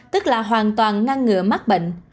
tức là hoàn toàn ngăn ngừa mắc bệnh